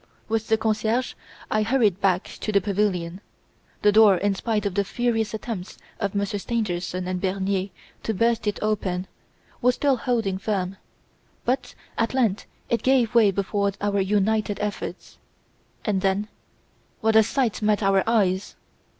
"'With the concierge I hurried back to the pavilion. The door, in spite of the furious attempts of Monsieur Stangerson and Bernier to burst it open, was still holding firm; but at length, it gave way before our united efforts, and then what a sight met our eyes!